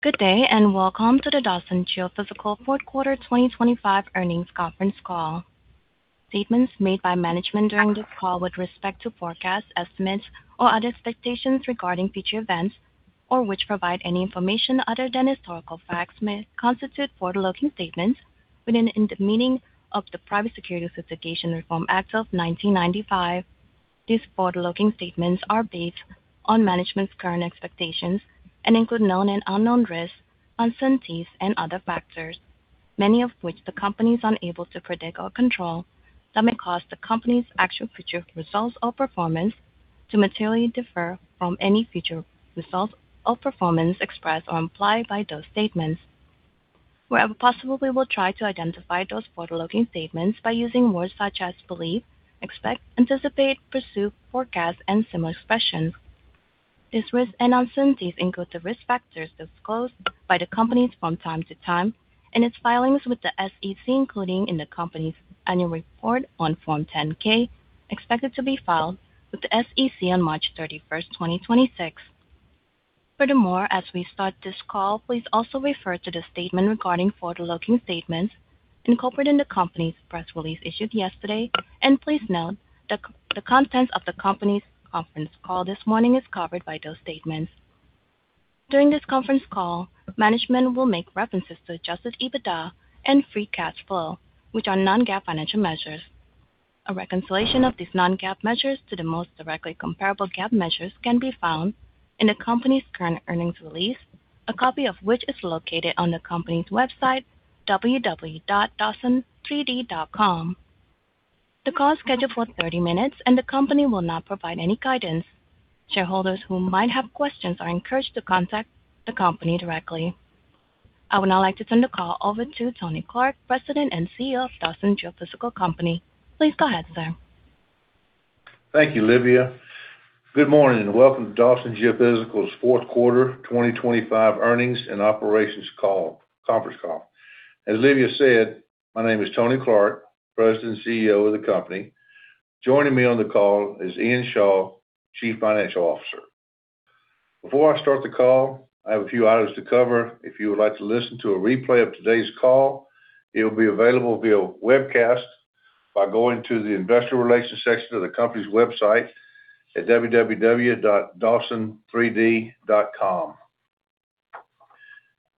Good day, and welcome to the Dawson Geophysical fourth quarter 2025 earnings conference call. Statements made by management during this call with respect to forecast estimates or other expectations regarding future events, or which provide any information other than historical facts may constitute forward-looking statements within the meaning of the Private Securities Litigation Reform Act of 1995. These forward-looking statements are based on management's current expectations and include known and unknown risks, uncertainties, and other factors, many of which the company is unable to predict or control, that may cause the company's actual future results or performance to materially differ from any future results or performance expressed or implied by those statements. Wherever possible, we will try to identify those forward-looking statements by using words such as believe, expect, anticipate, pursue, forecast, and similar expressions. These risks and uncertainties include the risk factors disclosed by the company from time to time in its filings with the SEC, including in the company's annual report on Form 10-K, expected to be filed with the SEC on March 31st, 2026. Furthermore, as we start this call, please also refer to the statement regarding forward-looking statements incorporated in the company's press release issued yesterday. Please note that the contents of the company's conference call this morning is covered by those statements. During this conference call, management will make references to adjusted EBITDA and free cash flow, which are non-GAAP financial measures. A reconciliation of these non-GAAP measures to the most directly comparable GAAP measures can be found in the company's current earnings release, a copy of which is located on the company's website, www.dawson3d.com. The call is scheduled for 30 minutes and the company will not provide any guidance. Shareholders who might have questions are encouraged to contact the company directly. I would now like to turn the call over to Tony Clark, President and CEO of Dawson Geophysical Company. Please go ahead, sir. Thank you, Livia. Good morning and welcome to Dawson Geophysical's fourth quarter 2025 earnings and operations call, conference call. As Livia said, my name is Tony Clark, President and CEO of the company. Joining me on the call is Ian Shaw, Chief Financial Officer. Before I start the call, I have a few items to cover. If you would like to listen to a replay of today's call, it will be available via webcast by going to the investor relations section of the company's website at www.dawson3d.com.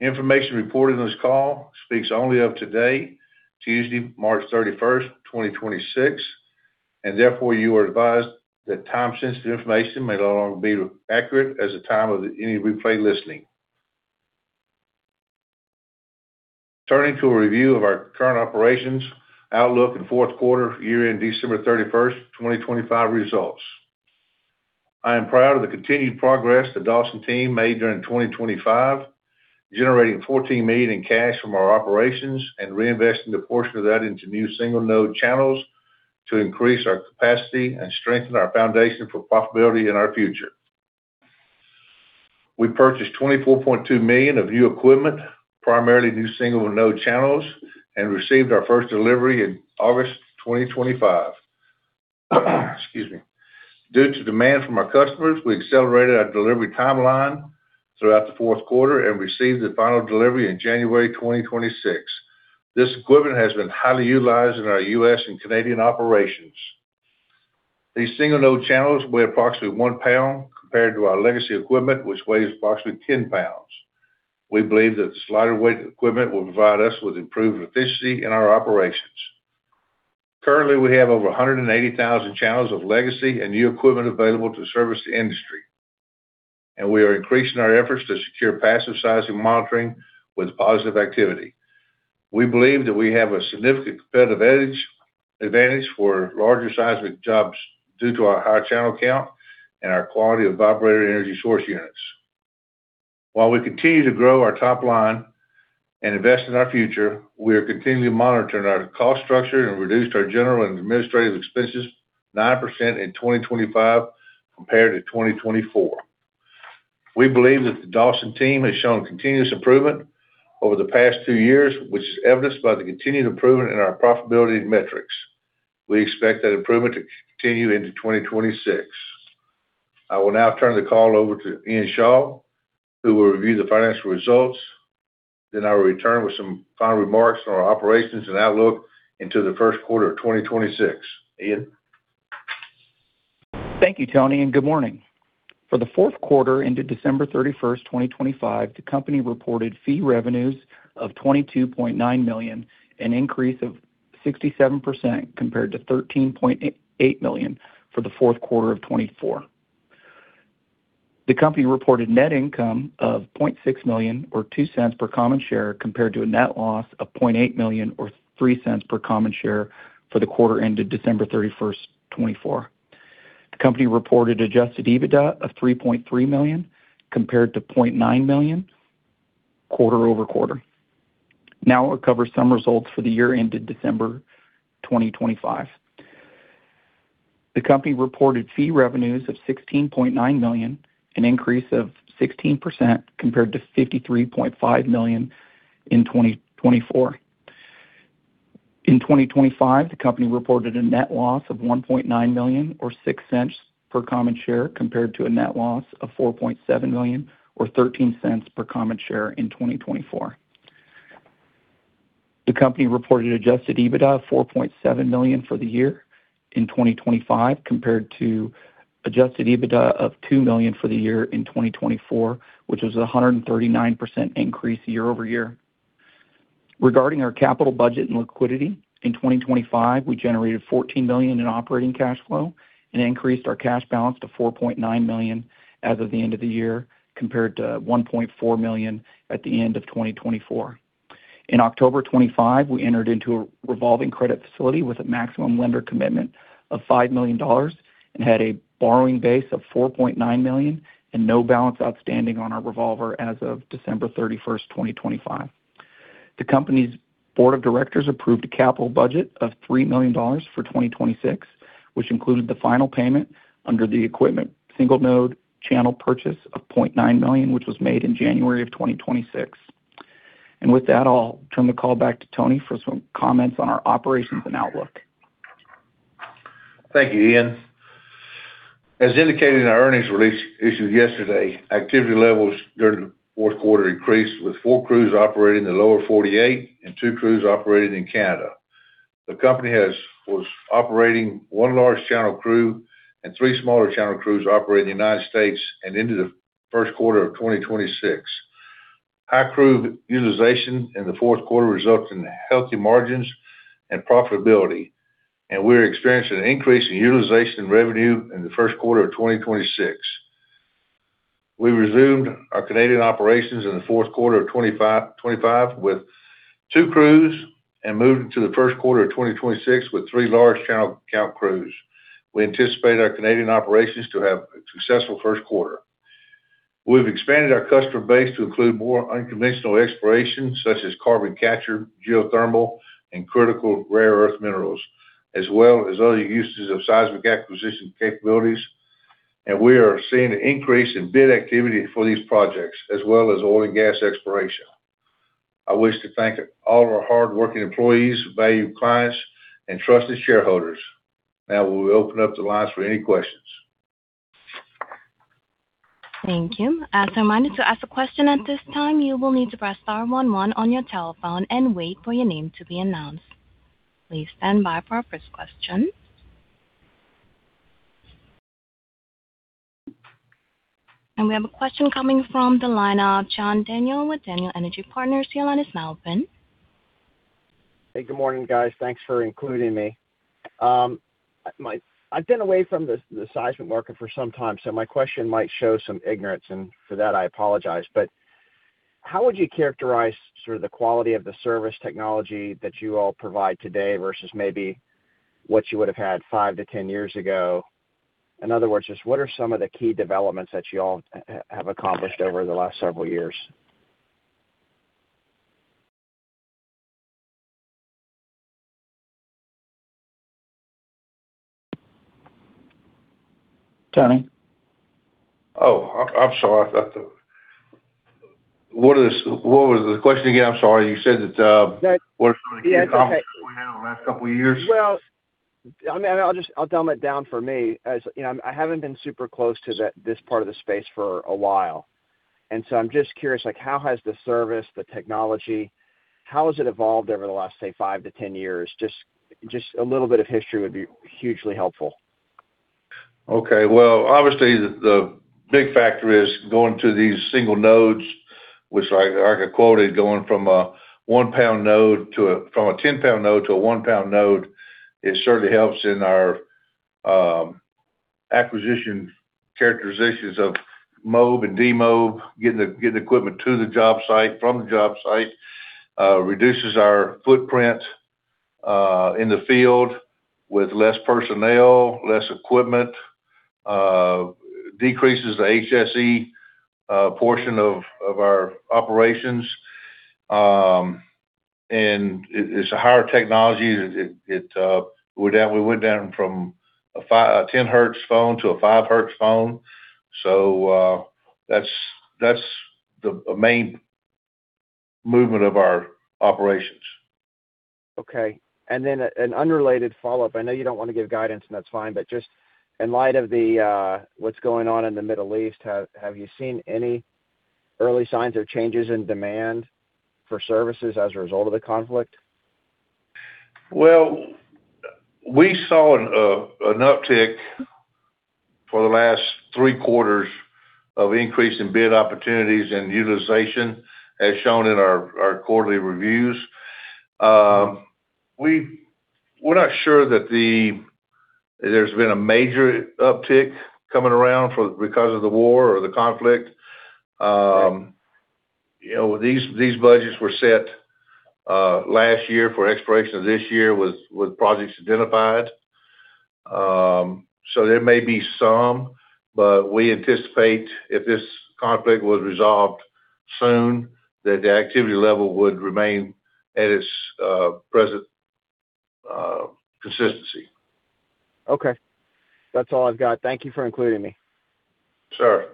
Information reported in this call speaks only of today, Tuesday, March 31st, 2026, and therefore you are advised that time-sensitive information may no longer be accurate as of the time of any replay listening. Turning to a review of our current operations, outlook, and fourth quarter year-end December 31st, 2025 results. I am proud of the continued progress the Dawson team made during 2025, generating $14 million in cash from our operations and reinvesting the portion of that into new single node channels to increase our capacity and strengthen our foundation for profitability in our future. We purchased $24.2 million of new equipment, primarily new single node channels, and received our first delivery in August 2025. Excuse me. Due to demand from our customers, we accelerated our delivery timeline throughout the fourth quarter and received the final delivery in January 2026. This equipment has been highly utilized in our U.S. and Canadian operations. These single node channels weigh approximately one pound compared to our legacy equipment, which weighs approximately 10 lbs. We believe that lighter weight equipment will provide us with improved efficiency in our operations. Currently, we have over 180,000 channels of legacy and new equipment available to service the industry, and we are increasing our efforts to secure passive seismic monitoring with positive activity. We believe that we have a significant competitive advantage for larger seismic jobs due to our high channel count and our quality of vibrator energy source units. While we continue to grow our top line and invest in our future, we are continually monitoring our cost structure and reduced our general and administrative expenses 9% in 2025 compared to 2024. We believe that the Dawson team has shown continuous improvement over the past two years, which is evidenced by the continued improvement in our profitability metrics. We expect that improvement to continue into 2026. I will now turn the call over to Ian Shaw, who will review the financial results. I will return with some final remarks on our operations and outlook into the first quarter of 2026. Ian. Thank you, Tony, and good morning. For the fourth quarter ended December 31st, 2025, the company reported fee revenues of $22.9 million, an increase of 67% compared to $13.8 million for the fourth quarter of 2024. The company reported net income of $0.6 million or $0.02 per common share, compared to a net loss of $0.8 million or $0.03 per common share for the quarter ended December 31st, 2024. The company reported adjusted EBITDA of $3.3 million compared to $0.9 million quarter-over-quarter. Now we'll cover some results for the year ended December 2025. The company reported fee revenues of $61.9 million, an increase of 16% compared to $53.5 million in 2024. In 2025, the company reported a net loss of $1.9 million or $0.06 per common share compared to a net loss of $4.7 million or $0.13 per common share in 2024. The company reported adjusted EBITDA of $4.7 million for the year in 2025 compared to adjusted EBITDA of $2 million for the year in 2024, which was a 139% increase year-over-year. Regarding our capital budget and liquidity, in 2025, we generated $14 million in operating cash flow and increased our cash balance to $4.9 million as of the end of the year compared to $1.4 million at the end of 2024. In October 2025, we entered into a revolving credit facility with a maximum lender commitment of $5 million and had a borrowing base of $4.9 million and no balance outstanding on our revolver as of December 31st, 2025. The company's board of directors approved a capital budget of $3 million for 2026, which included the final payment under the equipment single node channel purchase of $0.9 million, which was made in January 2026. With that, I'll turn the call back to Tony for some comments on our operations and outlook. Thank you, Ian. As indicated in our earnings release issued yesterday, activity levels during the fourth quarter increased with four crews operating in the lower 48 and two crews operating in Canada. The company was operating one large channel crew and three smaller channel crews operating in the United States and into the first quarter of 2026. High crew utilization in the fourth quarter results in healthy margins and profitability, and we're experiencing an increase in utilization revenue in the first quarter of 2026. We resumed our Canadian operations in the fourth quarter of 2025 with two crews and moved into the first quarter of 2026 with three large channel count crews. We anticipate our Canadian operations to have a successful first quarter. We've expanded our customer base to include more unconventional exploration such as carbon capture, geothermal, and critical rare earth minerals, as well as other uses of seismic acquisition capabilities. We are seeing an increase in bid activity for these projects as well as oil and gas exploration. I wish to thank all of our hardworking employees, valued clients, and trusted shareholders. Now we will open up the lines for any questions. Thank you. As a reminder to ask a question at this time, you will need to press star one one on your telephone and wait for your name to be announced. Please stand by for our first question. We have a question coming from the line of John Daniel with Daniel Energy Partners. Your line is now open. Hey, good morning, guys. Thanks for including me. I've been away from the seismic market for some time, so my question might show some ignorance, and for that, I apologize. How would you characterize sort of the quality of the service technology that you all provide today versus maybe what you would have had five to 10 years ago? In other words, just what are some of the key developments that you all have accomplished over the last several years? Tony? Oh, I'm sorry. What was the question again? I'm sorry. You said that, what are some of the key accomplishments we had in the last couple of years? Well, I mean, I'll just, I'll dumb it down for me. As you know, I haven't been super close to this part of the space for a while. I'm just curious, like, how has the service, the technology, how has it evolved over the last, say, five to 10 years? Just a little bit of history would be hugely helpful. Okay. Well, obviously the big factor is going to these single nodes, which like I quoted, going from a 10 lbs node to a 1 lbs node. It certainly helps in our acquisition characterizations of MOB and DEMOB, getting equipment to the job site from the job site, reduces our footprint in the field with less personnel, less equipment, decreases the HSE portion of our operations. It's a higher technology. We went down from a 10 Hz phone to a 5 Hz phone. That's a main movement of our operations. Okay. An unrelated follow-up. I know you don't want to give guidance, and that's fine, but just in light of the, what's going on in the Middle East, have you seen any early signs or changes in demand for services as a result of the conflict? Well, we saw an uptick for the last three quarters of increase in bid opportunities and utilization as shown in our quarterly reviews. We're not sure that there's been a major uptick because of the war or the conflict. You know, these budgets were set last year for exploration this year with projects identified. There may be some, but we anticipate if this conflict was resolved soon, that the activity level would remain at its present consistency. Okay. That's all I've got. Thank you for including me. Sure.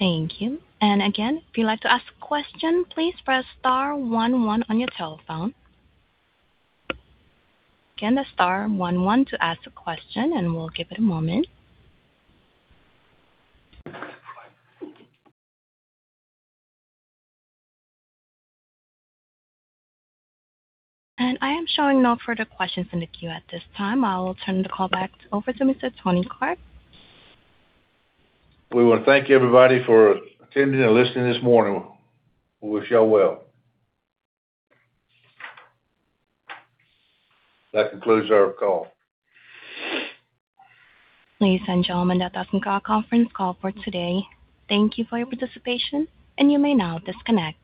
Thank you. Again, if you'd like to ask a question, please press star one one on your telephone. Again, the star one one to ask a question, and we'll give it a moment. I am showing no further questions in the queue at this time. I'll turn the call back over to Mr. Tony Clark. We wanna thank everybody for attending and listening this morning. We wish y'all well. That concludes our call. Ladies and gentlemen, that does end our conference call for today. Thank you for your participation, and you may now disconnect.